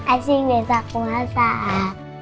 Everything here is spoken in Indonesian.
asing desa kuasa